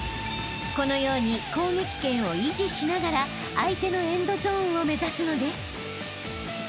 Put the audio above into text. ［このように攻撃権を維持しながら相手のエンドゾーンを目指すのです］